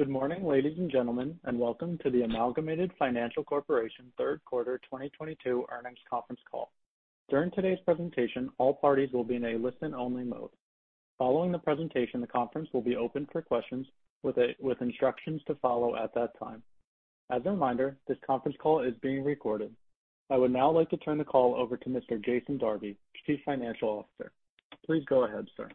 Good morning, ladies and gentlemen, and welcome to the Amalgamated Financial Corporation's third quarter 2022 earnings conference call. During today's presentation, all parties will be in a listen-only mode. Following the presentation, the conference will be open for questions with instructions to follow at that time. As a reminder, this conference call is being recorded. I would now like to turn the call over to Mr. Jason Darby, Chief Financial Officer. Please go ahead, sir.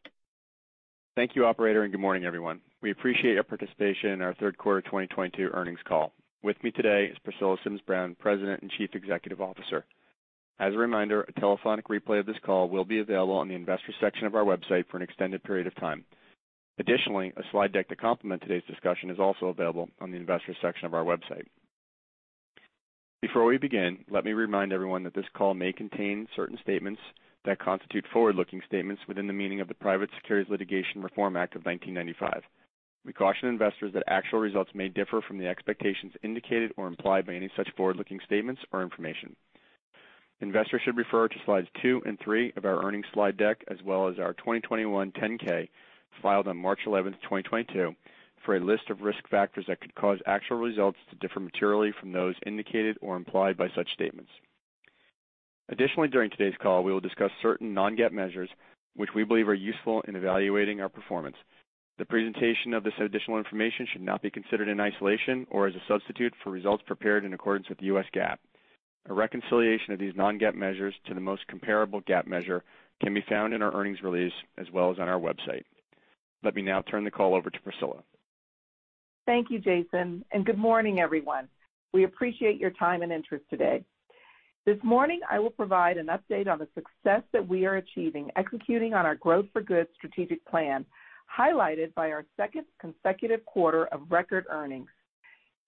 Thank you, operator, and good morning, everyone. We appreciate your participation in our third quarter 2022 earnings call. With me today is Priscilla Sims Brown, President and Chief Executive Officer. As a reminder, a telephonic replay of this call will be available on the investors section of our website for an extended period of time. Additionally, a slide deck to complement today's discussion is also available on the investors section of our website. Before we begin, let me remind everyone that this call may contain certain statements that constitute forward-looking statements within the meaning of the Private Securities Litigation Reform Act of 1995. We caution investors that actual results may differ from the expectations indicated or implied by any such forward-looking statements or information. Investors should refer to slides two and three of our earnings slide deck as well as our 2021 10-K, filed on March 11, 2022, for a list of risk factors that could cause actual results to differ materially from those indicated or implied by such statements. Additionally, during today's call, we will discuss certain non-GAAP measures which we believe are useful in evaluating our performance. The presentation of this additional information should not be considered in isolation or as a substitute for results prepared in accordance with the U.S. GAAP. A reconciliation of these non-GAAP measures to the most comparable GAAP measure can be found in our earnings release as well as on our website. Let me now turn the call over to Priscilla. Thank you, Jason, and good morning, everyone. We appreciate your time and interest today. This morning, I will provide an update on the success that we are achieving executing on our Growth for Good strategic plan, highlighted by our second consecutive quarter of record earnings.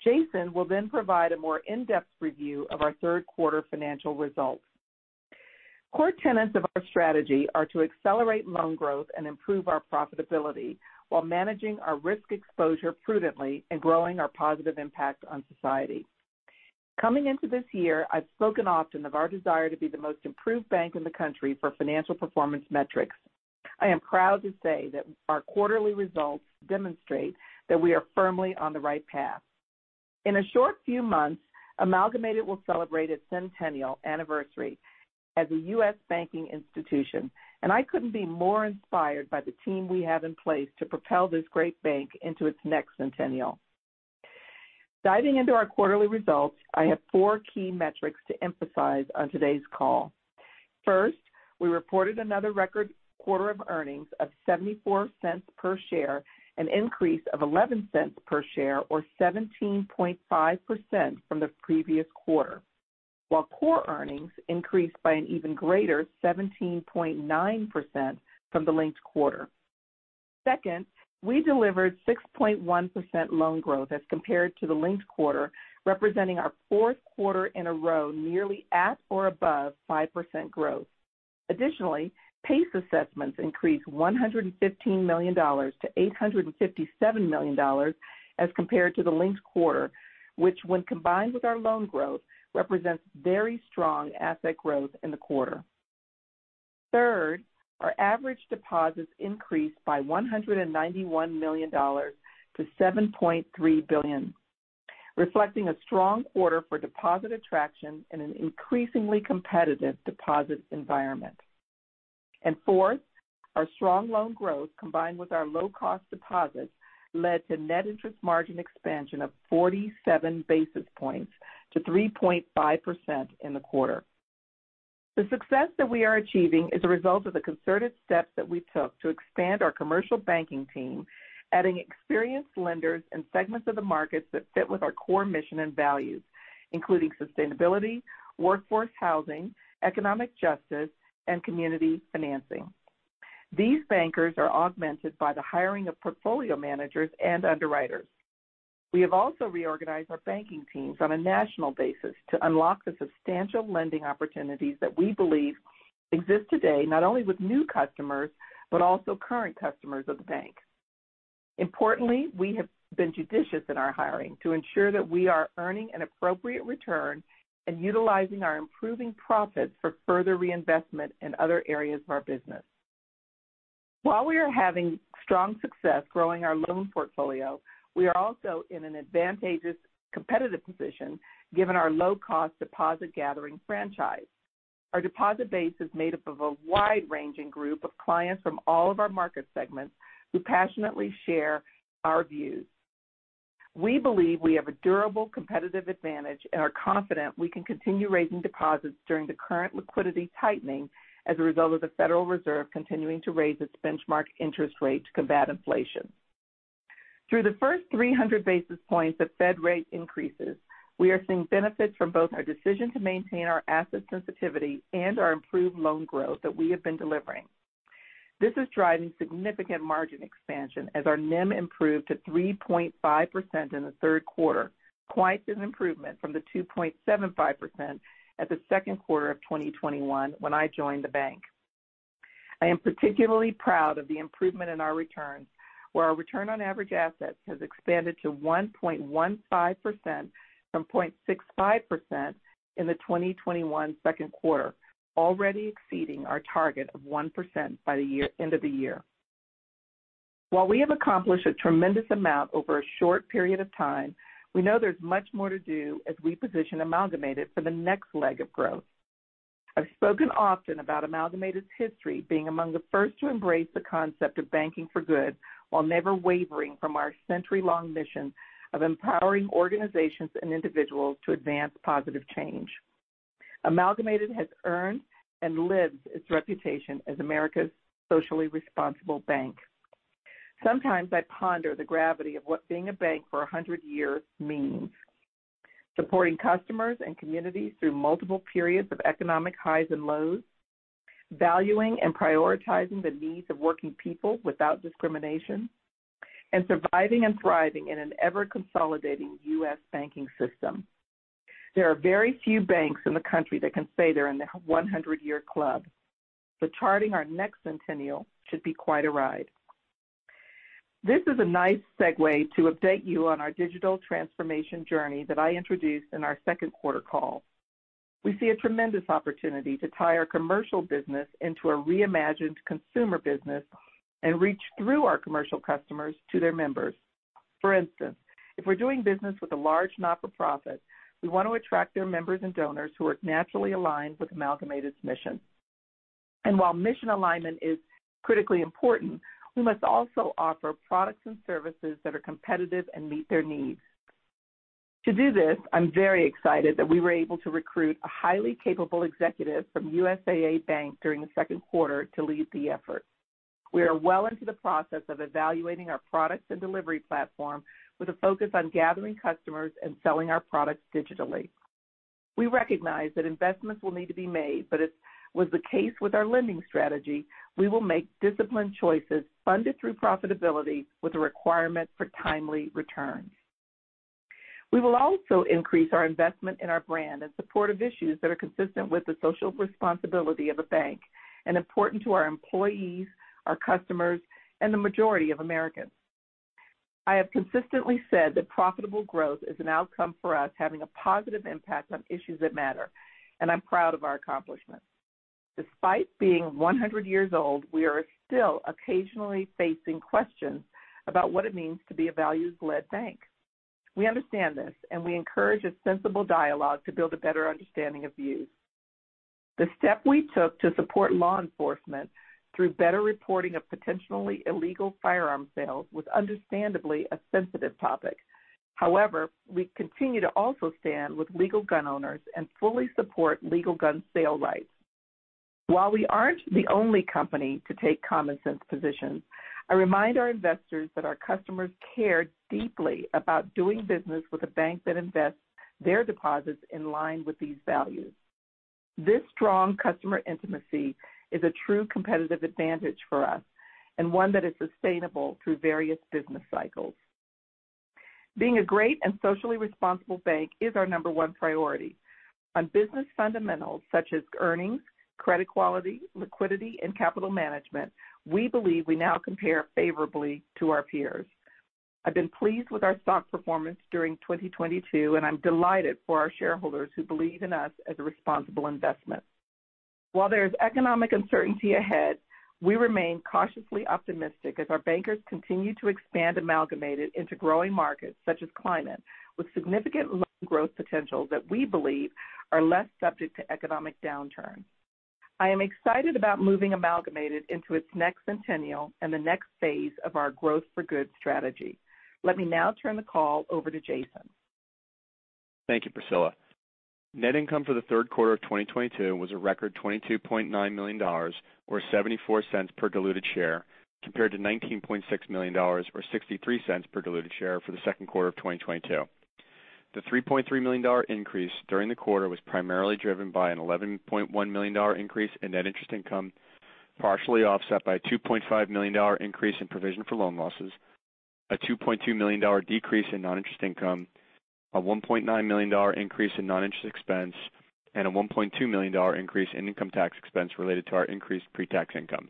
Jason will then provide a more in-depth review of our third quarter financial results. Core tenets of our strategy are to accelerate loan growth and improve our profitability while managing our risk exposure prudently and growing our positive impact on society. Coming into this year, I've spoken often of our desire to be the most improved bank in the country for financial performance metrics. I am proud to say that our quarterly results demonstrate that we are firmly on the right path. In a short few months, Amalgamated will celebrate its centennial anniversary as a U.S. banking institution, and I couldn't be more inspired by the team we have in place to propel this great bank into its next centennial. Diving into our quarterly results, I have four key metrics to emphasize on today's call. First, we reported another record quarter of earnings of $0.74 per share, an increase of $0.11 per share or 17.5% from the previous quarter. While core earnings increased by an even greater 17.9% from the linked quarter. Second, we delivered 6.1% loan growth as compared to the linked quarter, representing our fourth quarter in a row, nearly at or above 5% growth. Additionally, PACE assessments increased $115 million to $857 million as compared to the linked quarter, which when combined with our loan growth, represents very strong asset growth in the quarter. Third, our average deposits increased by $191 million to $7.3 billion, reflecting a strong quarter for deposit attraction in an increasingly competitive deposit environment. Fourth, our strong loan growth, combined with our low-cost deposits, led to net interest margin expansion of 47 basis points to 3.5% in the quarter. The success that we are achieving is a result of the concerted steps that we took to expand our commercial banking team, adding experienced lenders in segments of the markets that fit with our core mission and values, including sustainability, workforce housing, economic justice, and community financing. These bankers are augmented by the hiring of portfolio managers and underwriters. We have also reorganized our banking teams on a national basis to unlock the substantial lending opportunities that we believe exist today, not only with new customers, but also current customers of the bank. Importantly, we have been judicious in our hiring to ensure that we are earning an appropriate return and utilizing our improving profits for further reinvestment in other areas of our business. While we are having strong success growing our loan portfolio, we are also in an advantageous competitive position given our low-cost deposit gathering franchise. Our deposit base is made up of a wide-ranging group of clients from all of our market segments who passionately share our views. We believe we have a durable competitive advantage and are confident we can continue raising deposits during the current liquidity tightening as a result of the Federal Reserve continuing to raise its benchmark interest rate to combat inflation. Through the first 300 basis points of Fed rate increases, we are seeing benefits from both our decision to maintain our asset sensitivity and our improved loan growth that we have been delivering. This is driving significant margin expansion as our NIM improved to 3.5% in the third quarter, quite an improvement from the 2.75% at the second quarter of 2021 when I joined the bank. I am particularly proud of the improvement in our returns, where our return on average assets has expanded to 1.15% from 0.65% in the 2021 second quarter, already exceeding our target of 1% by year-end. While we have accomplished a tremendous amount over a short period of time, we know there's much more to do as we position Amalgamated for the next leg of growth. I've spoken often about Amalgamated's history being among the first to embrace the concept of banking for good, while never wavering from our century-long mission of empowering organizations and individuals to advance positive change. Amalgamated has earned and lives its reputation as America's socially responsible bank. Sometimes I ponder the gravity of what being a bank for 100 years means. Supporting customers and communities through multiple periods of economic highs and lows, valuing and prioritizing the needs of working people without discrimination, and surviving and thriving in an ever-consolidating U.S. banking system. There are very few banks in the country that can say they're in the 100-year club. Charting our next centennial should be quite a ride. This is a nice segue to update you on our digital transformation journey that I introduced in our second quarter call. We see a tremendous opportunity to tie our commercial business into a reimagined consumer business and reach through our commercial customers to their members. For instance, if we're doing business with a large not-for-profit, we want to attract their members and donors who are naturally aligned with Amalgamated's mission. While mission alignment is critically important, we must also offer products and services that are competitive and meet their needs. To do this, I'm very excited that we were able to recruit a highly capable executive from USAA Bank during the second quarter to lead the effort. We are well into the process of evaluating our products and delivery platform with a focus on gathering customers and selling our products digitally. We recognize that investments will need to be made, but as was the case with our lending strategy, we will make disciplined choices funded through profitability with a requirement for timely returns. We will also increase our investment in our brand in support of issues that are consistent with the social responsibility of a bank and important to our employees, our customers, and the majority of Americans. I have consistently said that profitable growth is an outcome for us having a positive impact on issues that matter, and I'm proud of our accomplishments. Despite being 100 years old, we are still occasionally facing questions about what it means to be a values-led bank. We understand this, and we encourage a sensible dialogue to build a better understanding of views. The step we took to support law enforcement through better reporting of potentially illegal firearm sales was understandably a sensitive topic. However, we continue to also stand with legal gun owners and fully support legal gun sale rights. While we aren't the only company to take common sense positions, I remind our investors that our customers care deeply about doing business with a bank that invests their deposits in line with these values. This strong customer intimacy is a true competitive advantage for us, and one that is sustainable through various business cycles. Being a great and socially responsible bank is our number one priority. On business fundamentals such as earnings, credit quality, liquidity, and capital management, we believe we now compare favorably to our peers. I've been pleased with our stock performance during 2022, and I'm delighted for our shareholders who believe in us as a responsible investment. While there is economic uncertainty ahead, we remain cautiously optimistic as our bankers continue to expand Amalgamated into growing markets such as climate, with significant loan growth potentials that we believe are less subject to economic downturn. I am excited about moving Amalgamated into its next centennial and the next phase of our Growth for Good strategy. Let me now turn the call over to Jason. Thank you, Priscilla. Net income for the third quarter of 2022 was a record $22.9 million or $0.74 per diluted share, compared to $19.6 million or $0.63 per diluted share for the second quarter of 2022. The $3.3 million-dollar increase during the quarter was primarily driven by an $11.1 million-dollar increase in net interest income, partially offset by a $2.5 million-dollar increase in provision for loan losses, a $2.2 million-dollar decrease in non-interest income, a $1.9 million-dollar increase in non-interest expense, and a $1.2 million-dollar increase in income tax expense related to our increased pre-tax income.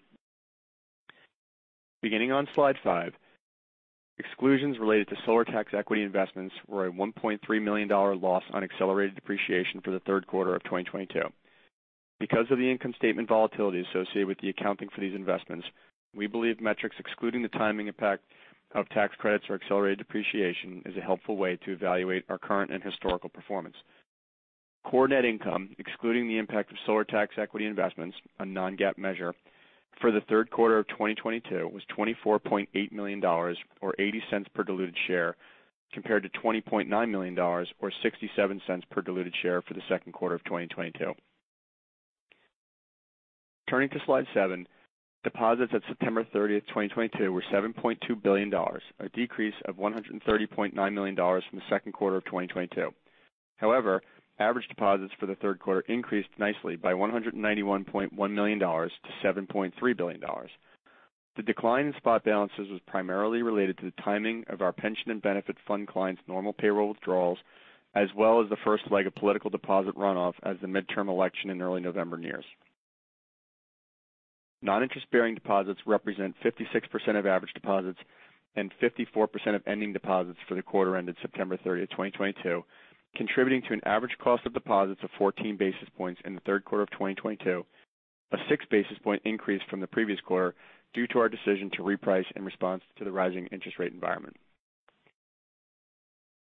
Beginning on slide five, exclusions related to solar tax equity investments were a $1.3 million loss on accelerated depreciation for the third quarter of 2022. Because of the income statement volatility associated with the accounting for these investments, we believe metrics excluding the timing impact of tax credits or accelerated depreciation is a helpful way to evaluate our current and historical performance. Core net income, excluding the impact of solar tax equity investments, a non-GAAP measure, for the third quarter of 2022 was $24.8 million or $0.80 per diluted share, compared to $20.9 million or $0.67 per diluted share for the second quarter of 2022. Turning to slide seven, deposits at September 30, 2022 were $7.2 billion, a decrease of $130.9 million from the second quarter of 2022. However, average deposits for the third quarter increased nicely by $191.1 million to $7.3 billion. The decline in spot balances was primarily related to the timing of our pension and benefit fund clients' normal payroll withdrawals, as well as the first leg of political deposit runoff as the midterm election in early November nears. Non-interest-bearing deposits represent 56% of average deposits and 54% of ending deposits for the quarter ended September 30, 2022, contributing to an average cost of deposits of 14 basis points in the third quarter of 2022, a 6 basis point increase from the previous quarter due to our decision to reprice in response to the rising interest rate environment.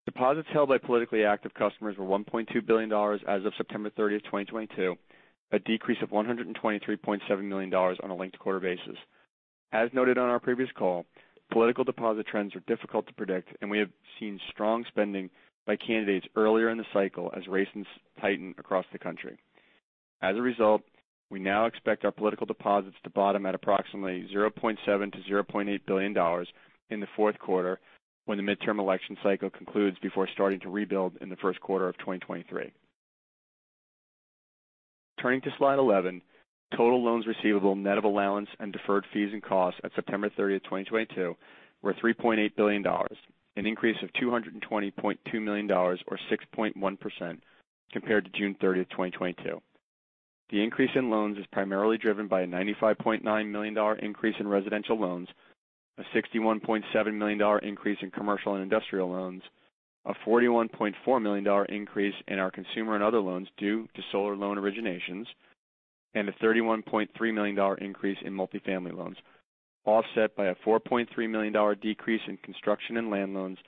Deposits held by politically active customers were $1.2 billion as of September 30, 2022, a decrease of $123.7 million on a linked quarter basis. As noted on our previous call, political deposit trends are difficult to predict and we have seen strong spending by candidates earlier in the cycle as races tighten across the country. As a result, we now expect our political deposits to bottom at approximately $0.7 billion-$0.8 billion in the fourth quarter when the midterm election cycle concludes before starting to rebuild in the first quarter of 2023. Turning to slide 11, total loans receivable, net of allowance and deferred fees and costs at September 30, 2022 were $3.8 billion, an increase of $220.2 million or 6.1% compared to June 30, 2022. The increase in loans is primarily driven by a $95.9 million increase in residential loans, a $61.7 million increase in commercial and industrial loans, a $41.4 million increase in our consumer and other loans due to solar loan originations, and a $31.3 million increase in multifamily loans, offset by a $4.3 million decrease in construction and land loans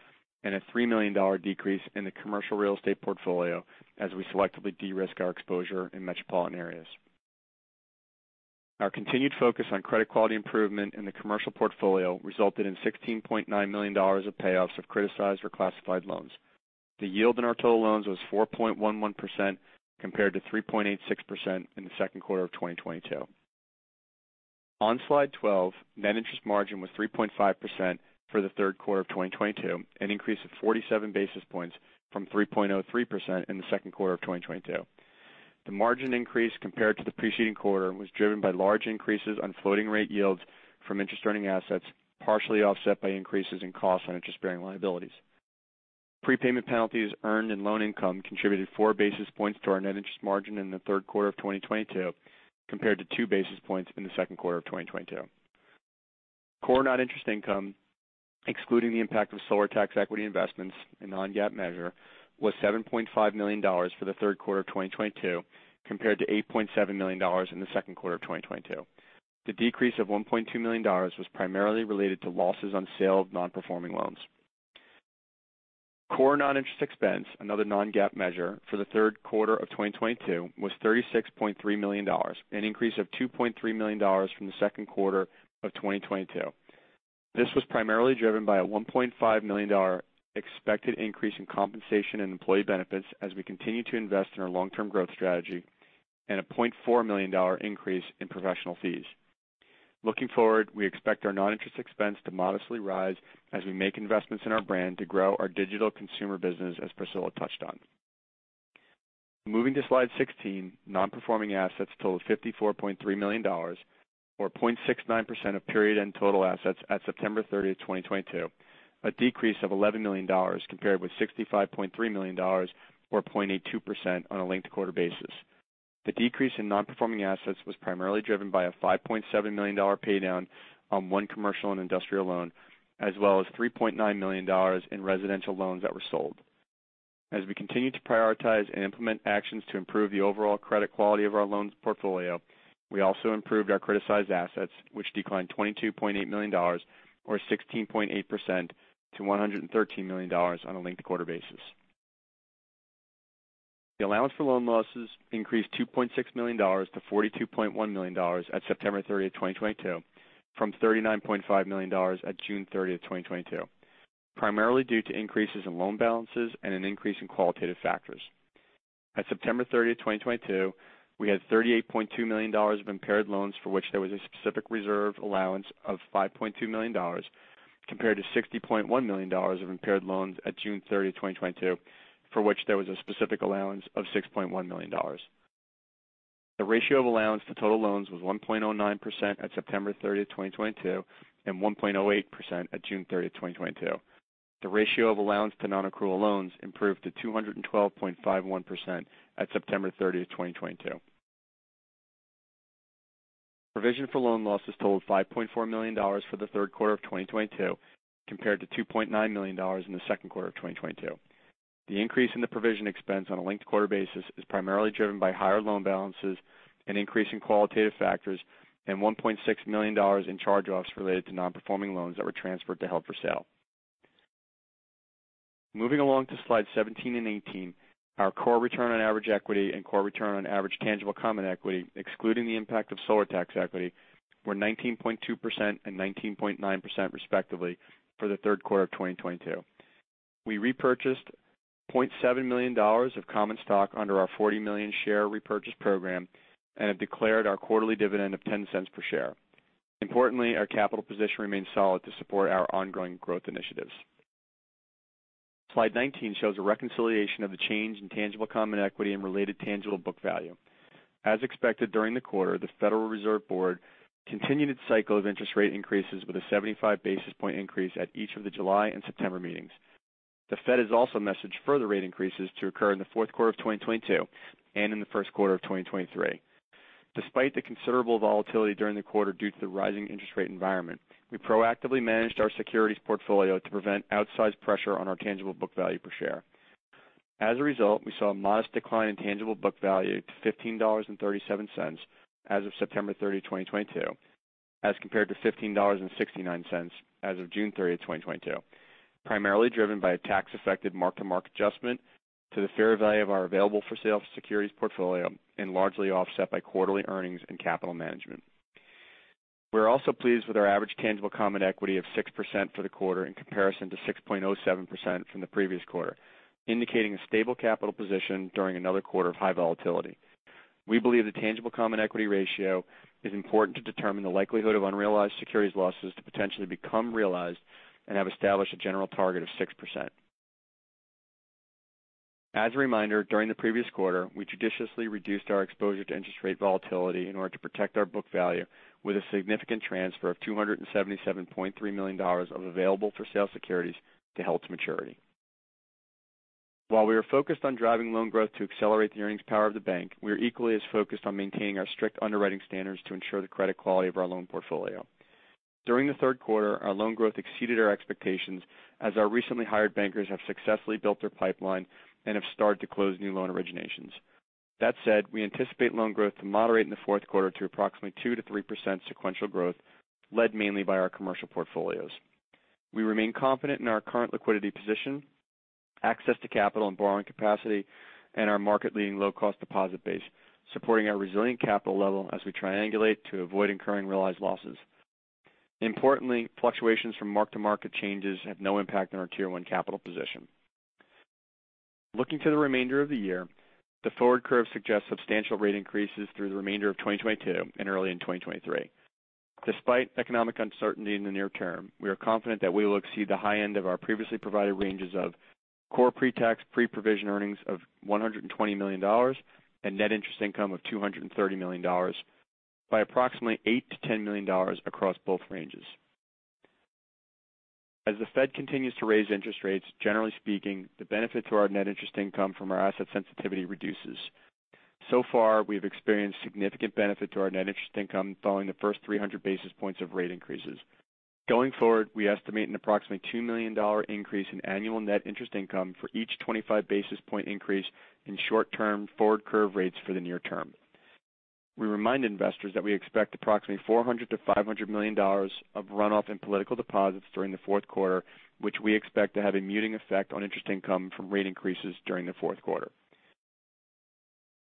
and a $3 million decrease in the commercial real estate portfolio as we selectively de-risk our exposure in metropolitan areas. Our continued focus on credit quality improvement in the commercial portfolio resulted in $16.9 million of payoffs of criticized or classified loans. The yield in our total loans was 4.11% compared to 3.86% in the second quarter of 2022. On slide 12, net interest margin was 3.5% for the third quarter of 2022, an increase of 47 basis points from 3.03% in the second quarter of 2022. The margin increase compared to the preceding quarter was driven by large increases on floating rate yields from interest-earning assets, partially offset by increases in costs on interest-bearing liabilities. Prepayment penalties earned in loan income contributed 4 basis points to our net interest margin in the third quarter of 2022 compared to 2 basis points in the second quarter of 2022. Core non-interest income, excluding the impact of solar tax equity investments, a non-GAAP measure, was $7.5 million for the third quarter of 2022 compared to $8.7 million in the second quarter of 2022. The decrease of $1.2 million was primarily related to losses on sale of non-performing loans. Core non-interest expense, another non-GAAP measure, for the third quarter of 2022 was $36.3 million, an increase of $2.3 million from the second quarter of 2022. This was primarily driven by a $1.5 million expected increase in compensation and employee benefits as we continue to invest in our long-term growth strategy and a $0.4 million increase in professional fees. Looking forward, we expect our non-interest expense to modestly rise as we make investments in our brand to grow our digital consumer business, as Priscilla touched on. Moving to slide 16, non-performing assets totaled $54.3 million, or 0.69% of period end total assets at September 30, 2022, a decrease of $11 million compared with $65.3 million or 0.82% on a linked quarter basis. The decrease in non-performing assets was primarily driven by a $5.7 million pay down on one commercial and industrial loan, as well as $3.9 million in residential loans that were sold. As we continue to prioritize and implement actions to improve the overall credit quality of our loans portfolio, we also improved our criticized assets, which declined $22.8 million or 16.8% to $113 million on a linked quarter basis. The allowance for loan losses increased $2.6 million to $42.1 million at September 30, 2022 from $39.5 million at June 30, 2022, primarily due to increases in loan balances and an increase in qualitative factors. At September 30, 2022, we had $38.2 million of impaired loans for which there was a specific reserve allowance of $5.2 million compared to $60.1 million of impaired loans at June 30, 2022, for which there was a specific allowance of $6.1 million. The ratio of allowance to total loans was 1.09% at September 30, 2022 and 1.08% at June 30, 2022. The ratio of allowance to non-accrual loans improved to 212.51% at September 30, 2022. Provision for loan losses totaled $5.4 million for the third quarter of 2022 compared to $2.9 million in the second quarter of 2022. The increase in the provision expense on a linked-quarter basis is primarily driven by higher loan balances and increasing qualitative factors and $1.6 million in charge-offs related to nonperforming loans that were transferred to held for sale. Moving along to slide 17 and 18, our core return on average equity and core return on average tangible common equity, excluding the impact of solar tax equity, were 19.2% and 19.9% respectively for the third quarter of 2022. We repurchased $0.7 million of common stock under our $40 million share repurchase program and have declared our quarterly dividend of $0.10 per share. Importantly, our capital position remains solid to support our ongoing growth initiatives. Slide 19 shows a reconciliation of the change in tangible common equity and related tangible book value. As expected during the quarter, the Federal Reserve Board continued its cycle of interest rate increases with a 75 basis point increase at each of the July and September meetings. The Fed has also messaged further rate increases to occur in the fourth quarter of 2022 and in the first quarter of 2023. Despite the considerable volatility during the quarter due to the rising interest rate environment, we proactively managed our securities portfolio to prevent outsized pressure on our tangible book value per share. As a result, we saw a modest decline in tangible book value to $15.37 as of September 30, 2022, as compared to $15.69 as of June 30, 2022, primarily driven by a tax effective mark-to-market adjustment to the fair value of our available for sale securities portfolio and largely offset by quarterly earnings and capital management. We're also pleased with our average tangible common equity of 6% for the quarter in comparison to 6.07% from the previous quarter, indicating a stable capital position during another quarter of high volatility. We believe the tangible common equity ratio is important to determine the likelihood of unrealized securities losses to potentially become realized and have established a general target of 6%. As a reminder, during the previous quarter, we judiciously reduced our exposure to interest rate volatility in order to protect our book value with a significant transfer of $277.3 million of available for sale securities to held to maturity. While we are focused on driving loan growth to accelerate the earnings power of the bank, we are equally as focused on maintaining our strict underwriting standards to ensure the credit quality of our loan portfolio. During the third quarter, our loan growth exceeded our expectations as our recently hired bankers have successfully built their pipeline and have started to close new loan originations. That said, we anticipate loan growth to moderate in the fourth quarter to approximately 2%-3% sequential growth led mainly by our commercial portfolios. We remain confident in our current liquidity position, access to capital and borrowing capacity, and our market leading low cost deposit base, supporting our resilient capital level as we triangulate to avoid incurring realized losses. Importantly, fluctuations from mark-to-market changes have no impact on our Tier 1 Capital position. Looking to the remainder of the year, the forward curve suggests substantial rate increases through the remainder of 2022 and early in 2023. Despite economic uncertainty in the near term, we are confident that we will exceed the high end of our previously provided ranges of Core Pre-Tax, Pre-Provision Earnings of $120 million and Net Interest Income of $230 million by approximately $8 million-$10 million across both ranges. As the Fed continues to raise interest rates, generally speaking, the benefit to our net interest income from our asset sensitivity reduces. So far, we've experienced significant benefit to our net interest income following the first 300 basis points of rate increases. Going forward, we estimate an approximately $2 million increase in annual net interest income for each 25 basis point increase in short-term forward curve rates for the near term. We remind investors that we expect approximately $400 million-$500 million of runoff in political deposits during the fourth quarter, which we expect to have a muting effect on interest income from rate increases during the fourth quarter.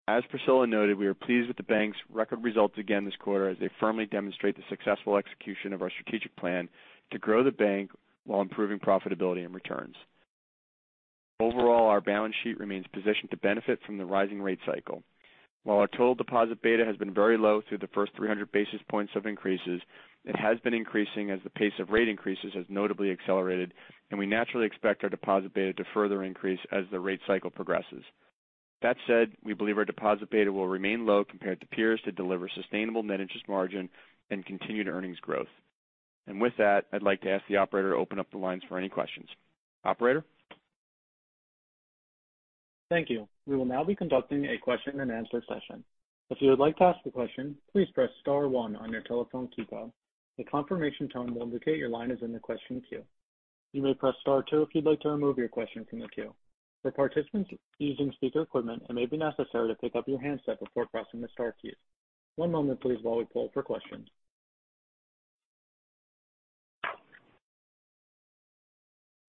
As Priscilla noted, we are pleased with the bank's record results again this quarter as they firmly demonstrate the successful execution of our strategic plan to grow the bank while improving profitability and returns. Overall, our balance sheet remains positioned to benefit from the rising rate cycle. While our total deposit beta has been very low through the first 300 basis points of increases, it has been increasing as the pace of rate increases has notably accelerated, and we naturally expect our deposit beta to further increase as the rate cycle progresses. That said, we believe our deposit beta will remain low compared to peers to deliver sustainable net interest margin and continued earnings growth. With that, I'd like to ask the operator to open up the lines for any questions. Operator? Thank you. We will now be conducting a question and answer session. If you would like to ask a question, please press star one on your telephone keypad. A confirmation tone will indicate your line is in the question queue. You may press star two if you'd like to remove your question from the queue. For participants using speaker equipment, it may be necessary to pick up your handset before pressing the star key. One moment please while we poll for questions.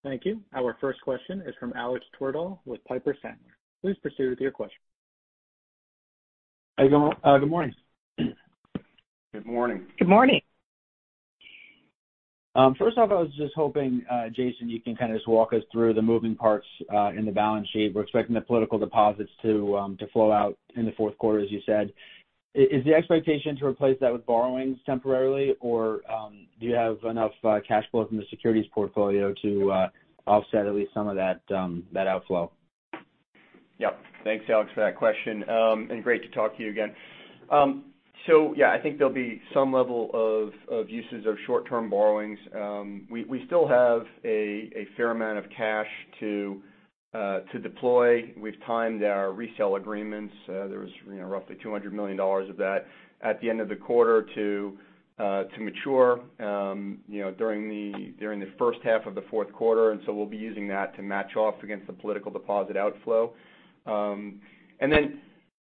Thank you. Our first question is from Alex Twerdahl with Piper Sandler. Please proceed with your question. Good morning. Good morning. Good morning. First off, I was just hoping, Jason, you can kind of just walk us through the moving parts in the balance sheet. We're expecting the political deposits to flow out in the fourth quarter, as you said. Is the expectation to replace that with borrowings temporarily or do you have enough cash flow from the securities portfolio to offset at least some of that outflow? Yep. Thanks, Alex, for that question, and great to talk to you again. I think there'll be some level of uses of short-term borrowings. We still have a fair amount of cash to deploy. We've timed our resale agreements. There was, you know, roughly $200 million of that at the end of the quarter to mature, you know, during the first half of the fourth quarter. We'll be using that to match off against the political deposit outflow.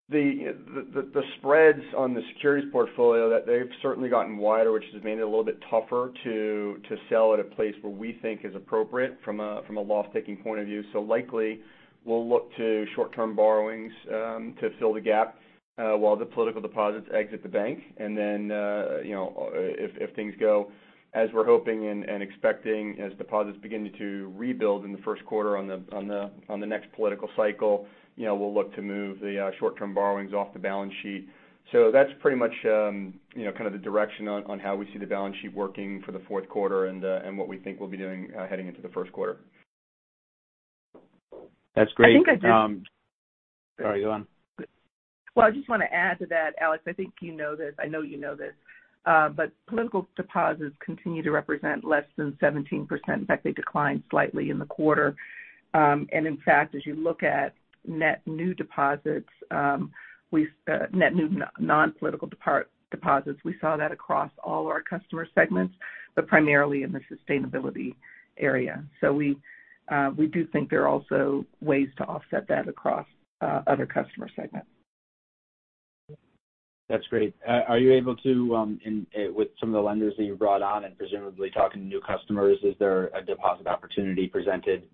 The spreads on the securities portfolio have certainly gotten wider, which has made it a little bit tougher to sell at a price where we think is appropriate from a loss-taking point of view. Likely, we'll look to short-term borrowings to fill the gap while the political deposits exit the bank. Then, you know, if things go as we're hoping and expecting as deposits begin to rebuild in the first quarter on the next political cycle, you know, we'll look to move the short-term borrowings off the balance sheet. That's pretty much, you know, kind of the direction on how we see the balance sheet working for the fourth quarter and what we think we'll be doing heading into the first quarter. That's great. I think I just. Sorry, go on. Well, I just want to add to that, Alex. I think you know this. I know you know this. Political deposits continue to represent less than 17%. In fact, they declined slightly in the quarter. In fact, as you look at net new deposits, net new non-political deposits, we saw that across all our customer segments, but primarily in the sustainability area. We do think there are also ways to offset that across other customer segments. That's great. With some of the lenders that you've brought on and presumably talking to new customers, is there a deposit opportunity presented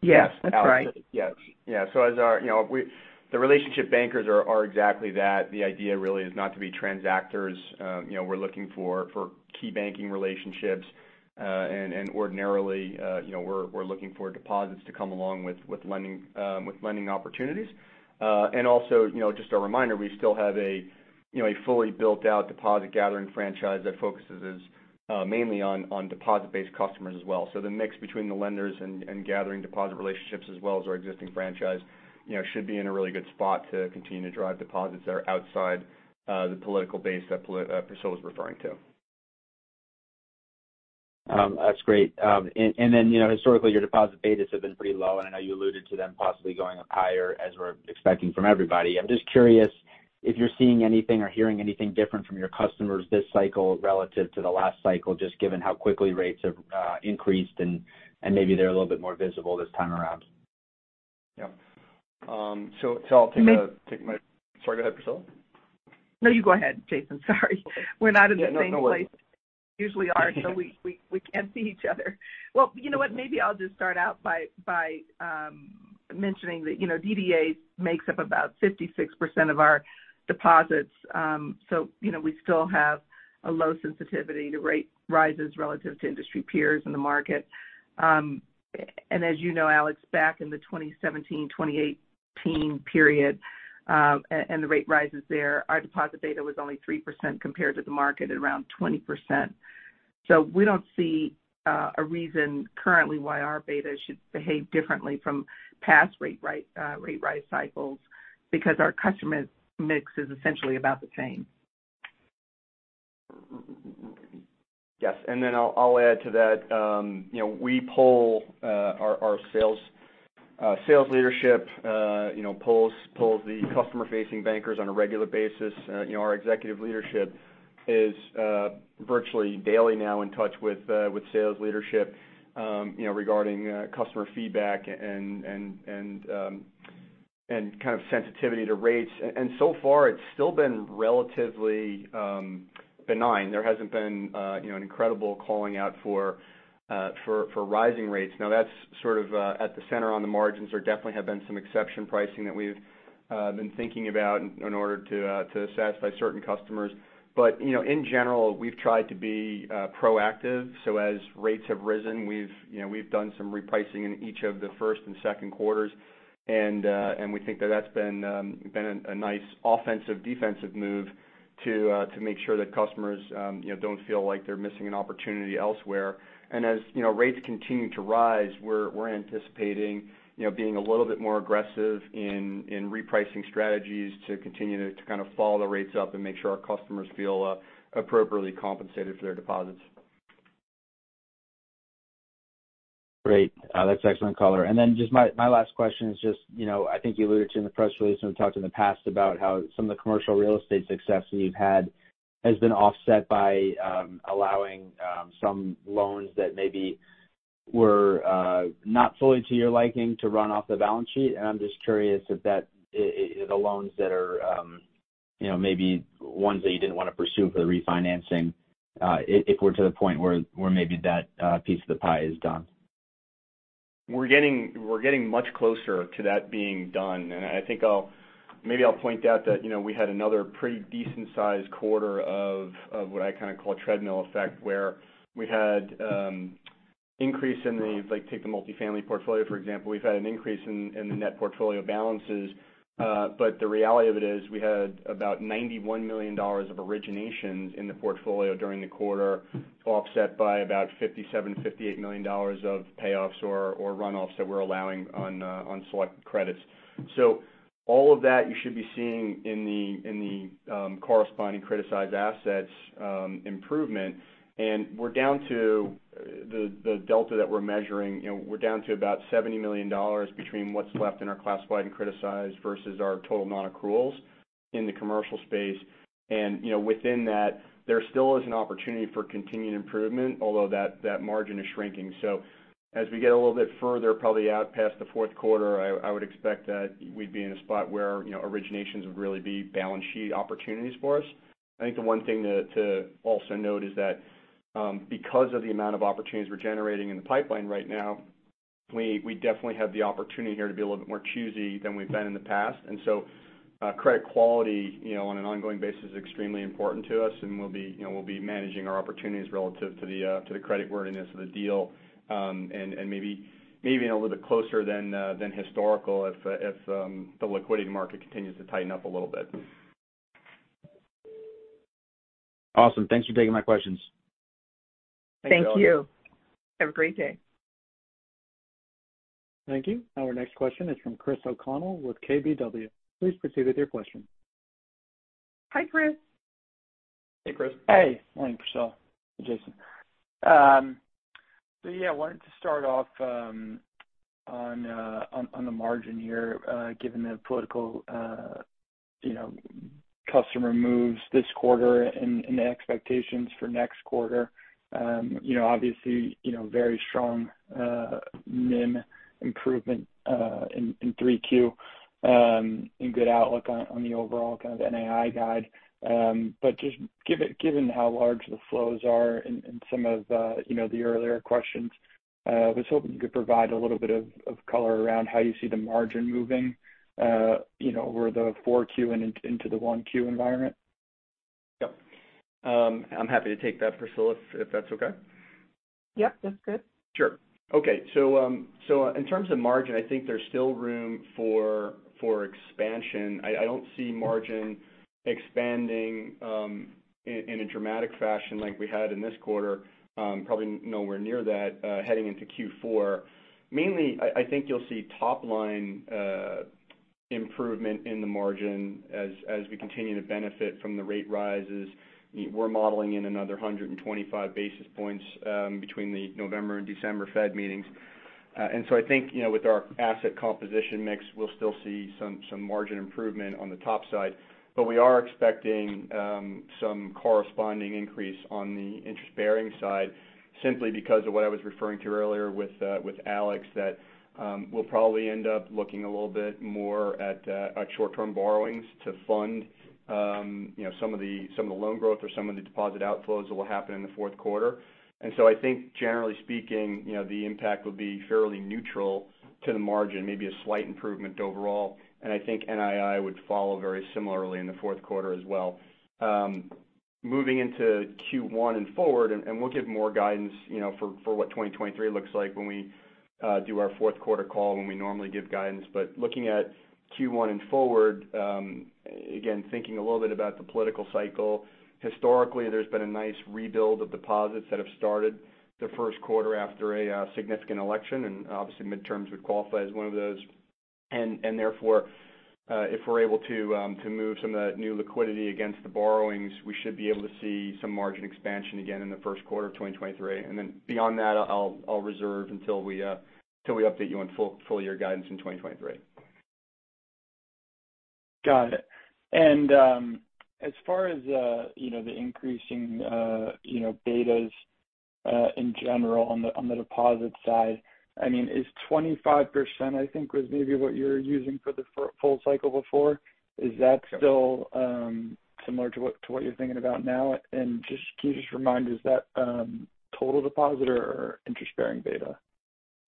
through them as well? Yes, that's right. Yes. Yeah. As our relationship bankers are exactly that. The idea really is not to be transactors. You know, we're looking for key banking relationships. And ordinarily, you know, we're looking for deposits to come along with lending opportunities. And also, you know, just a reminder, we still have a fully built-out deposit gathering franchise that focuses mainly on deposit-based customers as well. The mix between the lenders and gathering deposit relationships as well as our existing franchise, you know, should be in a really good spot to continue to drive deposits that are outside the political base that Priscilla was referring to. That's great. You know, historically, your deposit betas have been pretty low, and I know you alluded to them possibly going up higher as we're expecting from everybody. I'm just curious if you're seeing anything or hearing anything different from your customers this cycle relative to the last cycle, just given how quickly rates have increased and maybe they're a little bit more visible this time around. Yeah. I'll take my May- Sorry, go ahead, Priscilla. No, you go ahead, Jason. Sorry. We're not in the same place. Yeah, no worries. We usually are, so we can't see each other. Well, you know what? Maybe I'll just start out by mentioning that, you know, DDA makes up about 56% of our deposits. You know, we still have a low sensitivity to rate rises relative to industry peers in the market. As you know, Alex, back in the 2017-2018 period, and the rate rises there, our deposit beta was only 3% compared to the market at around 20%. We don't see a reason currently why our beta should behave differently from past rate rise cycles because our customer mix is essentially about the same. Yes. I'll add to that. You know, we poll our sales leadership. You know, our sales leadership polls the customer-facing bankers on a regular basis. You know, our executive leadership is virtually daily now in touch with sales leadership, you know, regarding customer feedback and kind of sensitivity to rates. So far, it's still been relatively benign. There hasn't been, you know, an incredible calling out for rising rates. Now, that's sort of at the center on the margins. There definitely have been some exception pricing that we've been thinking about in order to satisfy certain customers. You know, in general, we've tried to be proactive. As rates have risen, we've, you know, done some repricing in each of the first and second quarters. We think that that's been a nice offensive/defensive move to make sure that customers, you know, don't feel like they're missing an opportunity elsewhere. As, you know, rates continue to rise, we're anticipating, you know, being a little bit more aggressive in repricing strategies to continue to kind of follow the rates up and make sure our customers feel appropriately compensated for their deposits. Great. That's excellent color. Then just my last question is just, you know, I think you alluded to in the press release, and we've talked in the past about how some of the commercial real estate success that you've had has been offset by allowing some loans that maybe were not fully to your liking to run off the balance sheet. I'm just curious if that, the loans that are, you know, maybe ones that you didn't wanna pursue for the refinancing, if we're to the point where maybe that piece of the pie is done. We're getting much closer to that being done. I think maybe I'll point out that, you know, we had another pretty decent sized quarter of what I kind of call a treadmill effect, where we had an increase, like, take the multifamily portfolio, for example. We've had an increase in the net portfolio balances. But the reality of it is we had about $91 million of originations in the portfolio during the quarter, offset by about $57 million-$58 million of payoffs or runoffs that we're allowing on select credits. All of that you should be seeing in the corresponding criticized assets improvement. We're down to the delta that we're measuring. You know, we're down to about $70 million between what's left in our classified and criticized versus our total non-accruals in the commercial space. You know, within that, there still is an opportunity for continued improvement, although that margin is shrinking. As we get a little bit further, probably out past the fourth quarter, I would expect that we'd be in a spot where, you know, originations would really be balance sheet opportunities for us. I think the one thing to also note is that, because of the amount of opportunities we're generating in the pipeline right now, we definitely have the opportunity here to be a little bit more choosy than we've been in the past. Credit quality, you know, on an ongoing basis is extremely important to us, and we'll be, you know, managing our opportunities relative to the creditworthiness of the deal, and maybe even a little bit closer than historical if the liquidity market continues to tighten up a little bit. Awesome. Thanks for taking my questions. Thanks, Alex. Thank you. Have a great day. Thank you. Our next question is from Chris O'Connell with KBW. Please proceed with your question. Hi, Chris. Hey, Chris. Hey. Morning, Priscilla. Jason. Yeah, I wanted to start off on the margin here, given the political customer moves this quarter and the expectations for next quarter. You know, obviously, very strong NIM improvement in 3Q and good outlook on the overall kind of NII guide. Given how large the flows are in some of the earlier questions, I was hoping you could provide a little bit of color around how you see the margin moving over 4Q and into 1Q environment. Yep. I'm happy to take that, Priscilla, if that's okay. Yep, that's good. Sure. Okay. In terms of margin, I think there's still room for expansion. I don't see margin expanding in a dramatic fashion like we had in this quarter, probably nowhere near that, heading into Q4. Mainly, I think you'll see top line improvement in the margin as we continue to benefit from the rate rises. We're modeling in another 125 basis points between the November and December Fed meetings. I think, you know, with our asset composition mix, we'll still see some margin improvement on the top side. We are expecting some corresponding increase on the interest-bearing side simply because of what I was referring to earlier with Alex, that we'll probably end up looking a little bit more at short-term borrowings to fund, you know, some of the loan growth or some of the deposit outflows that will happen in the fourth quarter. I think generally speaking, you know, the impact would be fairly neutral to the margin, maybe a slight improvement overall, and I think NII would follow very similarly in the fourth quarter as well. Moving into Q1 and forward, we'll give more guidance, you know, for what 2023 looks like when we do our fourth quarter call when we normally give guidance. Looking at Q1 and forward, again, thinking a little bit about the political cycle, historically, there's been a nice rebuild of deposits that have started the first quarter after a significant election, and obviously midterms would qualify as one of those. Therefore, if we're able to move some of that new liquidity against the borrowings, we should be able to see some margin expansion again in the first quarter of 2023. Beyond that, I'll reserve until we update you on full year guidance in 2023. Got it. As far as, you know, the increasing, you know, betas in general on the deposit side, I mean, is 25%, I think was maybe what you were using for the full cycle before. Is that still similar to what you're thinking about now? Just can you just remind, is that total deposit or interest-bearing beta?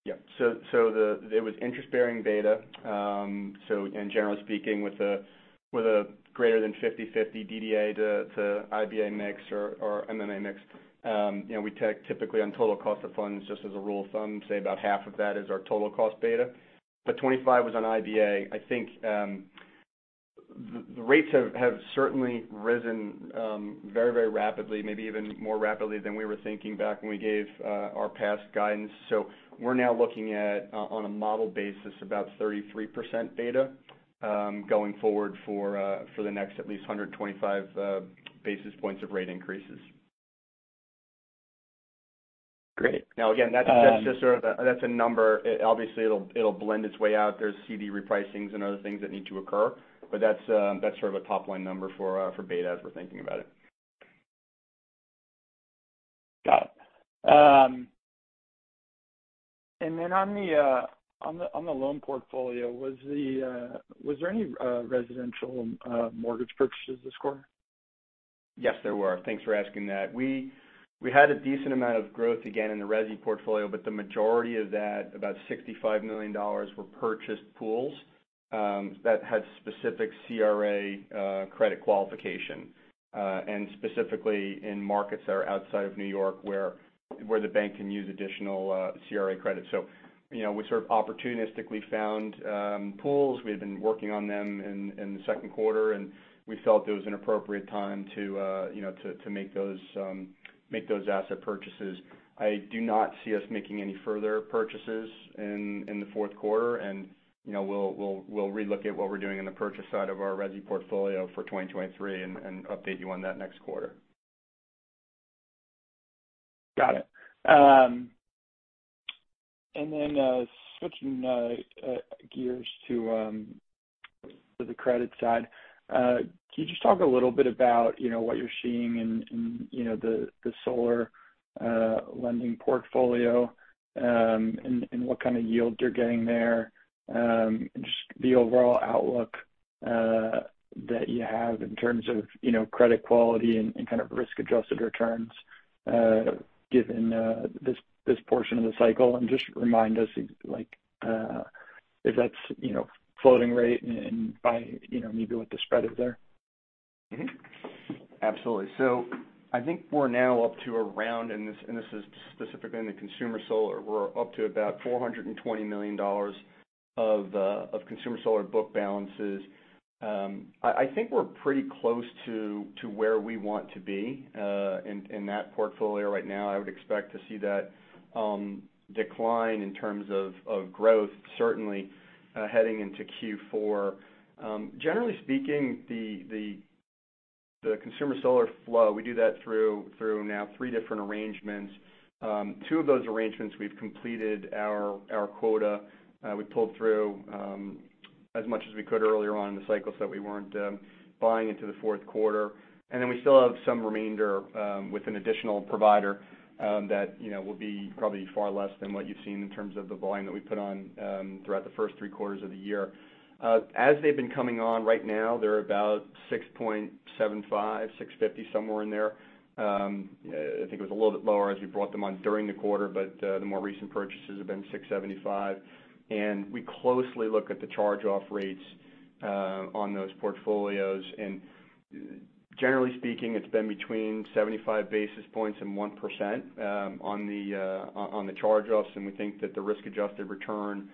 It was interest-bearing beta. Generally speaking, with a greater than 50/50 DDA to IBA mix or MMA mix, you know, we typically take on total cost of funds just as a rule of thumb, say about half of that is our total cost beta. But 25 was on IBA. I think the rates have certainly risen very rapidly, maybe even more rapidly than we were thinking back when we gave our past guidance. We're now looking at, on a model basis, about 33% beta going forward for the next at least 125 basis points of rate increases. Great. Now again, that's just sort of a, that's a number. Obviously, it'll blend its way out. There's CD repricings and other things that need to occur, but that's sort of a top-line number for beta as we're thinking about it. Got it. On the loan portfolio, was there any residential mortgage purchases this quarter? Yes, there were. Thanks for asking that. We had a decent amount of growth again in the Resi portfolio, but the majority of that, about $65 million, were purchased pools that had specific CRA credit qualification and specifically in markets that are outside of New York, where the bank can use additional CRA credit. So, you know, we sort of opportunistically found pools. We had been working on them in the second quarter, and we felt it was an appropriate time to you know to make those asset purchases. I do not see us making any further purchases in the fourth quarter and, you know, we'll relook at what we're doing in the purchase side of our Resi portfolio for 2023 and update you on that next quarter. Got it. Switching gears to the credit side, can you just talk a little bit about, you know, what you're seeing in, you know, the solar lending portfolio, and what kind of yields you're getting there, and just the overall outlook that you have in terms of, you know, credit quality and kind of risk-adjusted returns, given this portion of the cycle? Just remind us, like, if that's, you know, floating rate, and, you know, maybe what the spread is there. Absolutely. I think we're now up to around, and this is specifically in the consumer solar, we're up to about $420 million of consumer solar book balances. I think we're pretty close to where we want to be in that portfolio right now. I would expect to see that decline in terms of growth certainly heading into Q4. Generally speaking, the consumer solar flow, we do that through now three different arrangements. Two of those arrangements we've completed our quota. We pulled through as much as we could earlier on in the cycle so we weren't buying into the fourth quarter. We still have some remainder with an additional provider that you know will be probably far less than what you've seen in terms of the volume that we put on throughout the first three quarters of the year. As they've been coming on right now, they're about 6.75, 6.30, somewhere in there. I think it was a little bit lower as we brought them on during the quarter, but the more recent purchases have been 6.75. We closely look at the charge-off rates on those portfolios. Generally speaking, it's been between 75 basis points and 1% on the charge-offs, and we think that the risk-adjusted return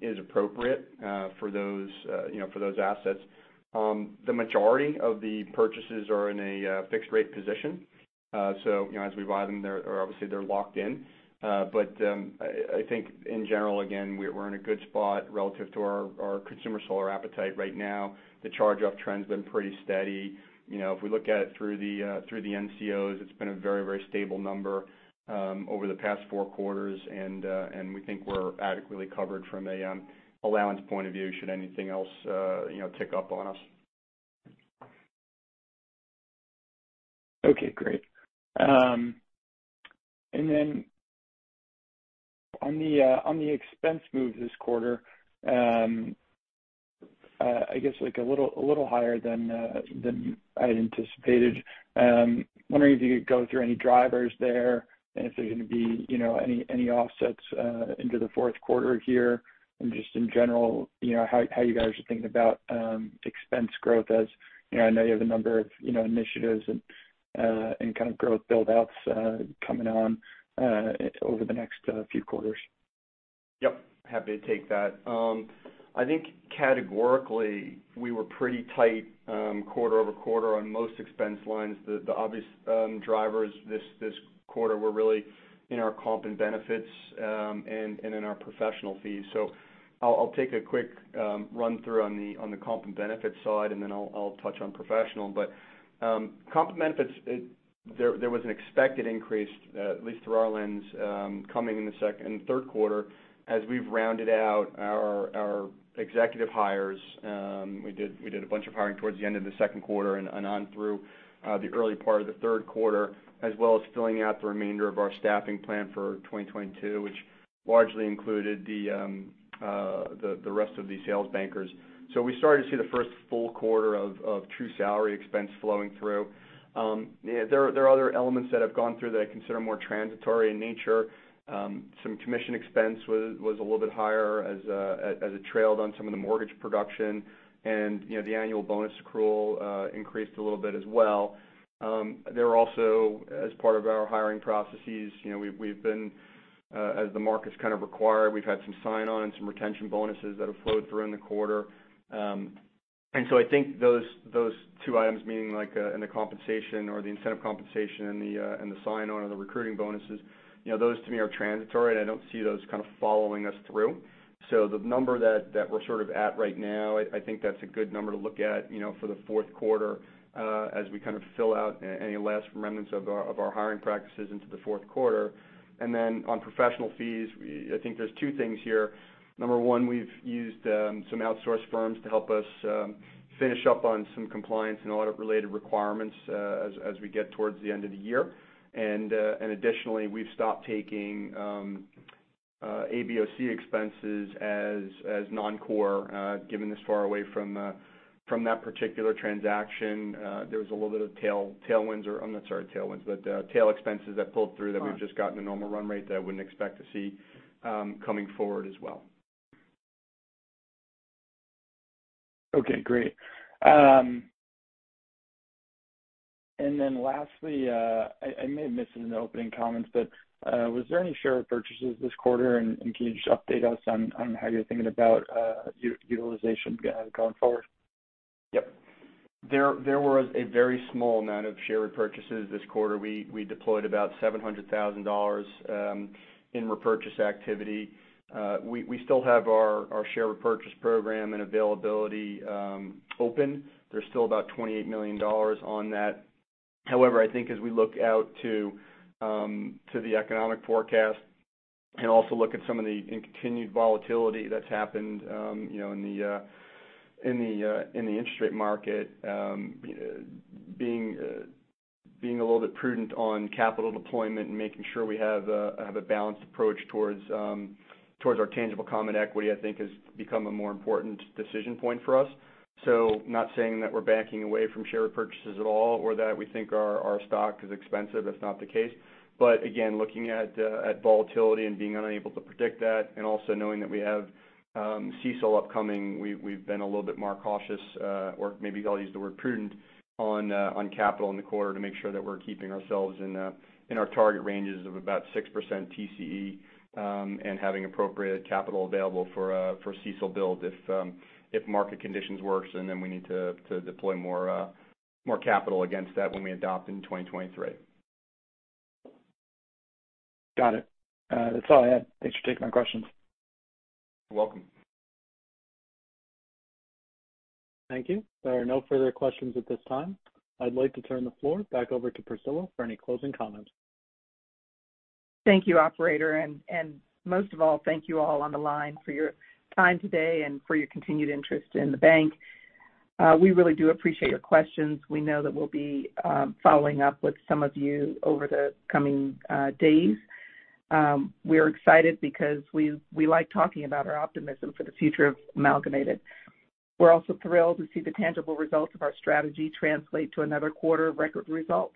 is appropriate for those you know for those assets. The majority of the purchases are in a fixed rate position. You know, as we buy them, or obviously they're locked in. I think in general, again, we're in a good spot relative to our consumer solar appetite right now. The charge-off trend's been pretty steady. You know, if we look at it through the NCOs, it's been a very stable number over the past four quarters, and we think we're adequately covered from a allowance point of view should anything else tick up on us. Okay, great. On the expense move this quarter, I guess like a little higher than I had anticipated. Wondering if you could go through any drivers there and if there's gonna be, you know, any offsets into the fourth quarter here. Just in general, you know, how you guys are thinking about expense growth as, you know, I know you have a number of, you know, initiatives and kind of growth build-outs coming on over the next few quarters. Yep, happy to take that. I think categorically, we were pretty tight quarter-over-quarter on most expense lines. The obvious drivers this quarter were really in our comp and benefits, and in our professional fees. I'll take a quick run-through on the comp and benefits side, and then I'll touch on professional. Comp and benefits, there was an expected increase, at least through our lens, coming in the third quarter as we've rounded out our executive hires. We did a bunch of hiring towards the end of the second quarter and on through the early part of the third quarter, as well as filling out the remainder of our staffing plan for 2022, which largely included the rest of the sales bankers. We started to see the first full quarter of true salary expense flowing through. There are other elements that I've gone through that I consider more transitory in nature. Some commission expense was a little bit higher as it trailed on some of the mortgage production. You know, the annual bonus accrual increased a little bit as well. There were also, as part of our hiring processes, you know, we've been, as the markets kind of require, we've had some sign-on and some retention bonuses that have flowed through in the quarter. I think those two items, meaning like, in the compensation or the incentive compensation and the sign-on or the recruiting bonuses, you know, those to me are transitory, and I don't see those kind of following us through. The number that we're sort of at right now, I think that's a good number to look at, you know, for the fourth quarter, as we kind of fill out any last remnants of our hiring practices into the fourth quarter. On professional fees, I think there's two things here. Number one, we've used some outside firms to help us finish up on some compliance and audit related requirements as we get towards the end of the year. Additionally, we've stopped taking ABOC expenses as non-core given this far away from that particular transaction. There was a little bit of tailwinds, but tail expenses that pulled through that we've just got in a normal run rate that I wouldn't expect to see coming forward as well. Okay, great. Lastly, I may have missed it in the opening comments, but was there any share repurchases this quarter, and can you just update us on how you're thinking about utilization going forward? Yep. There was a very small amount of share repurchases this quarter. We deployed about $700,000 in repurchase activity. We still have our share repurchase program and availability open. There's still about $28 million on that. However, I think as we look out to the economic forecast and also look at some of the ongoing volatility that's happened, you know, in the interest rate market, being a little bit prudent on capital deployment and making sure we have a balanced approach towards our Tangible Common Equity, I think has become a more important decision point for us. Not saying that we're backing away from share repurchases at all or that we think our stock is expensive. That's not the case. Again, looking at volatility and being unable to predict that and also knowing that we have CECL upcoming, we've been a little bit more cautious, or maybe I'll use the word prudent on capital in the quarter to make sure that we're keeping ourselves in our target ranges of about 6% TCE, and having appropriate capital available for CECL build if market conditions worsen, then we need to deploy more capital against that when we adopt in 2023. Got it. That's all I had. Thanks for taking my questions. You're welcome. Thank you. There are no further questions at this time. I'd like to turn the floor back over to Priscilla for any closing comments. Thank you, operator. Most of all, thank you all on the line for your time today and for your continued interest in the bank. We really do appreciate your questions. We know that we'll be following up with some of you over the coming days. We're excited because we like talking about our optimism for the future of Amalgamated. We're also thrilled to see the tangible results of our strategy translate to another quarter of record results.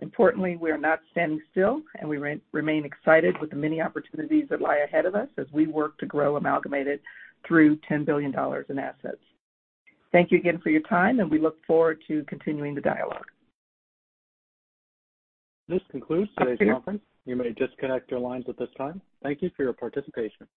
Importantly, we are not standing still, and we remain excited with the many opportunities that lie ahead of us as we work to grow Amalgamated through $10 billion in assets. Thank you again for your time, and we look forward to continuing the dialogue. This concludes today's conference. You may disconnect your lines at this time. Thank you for your participation.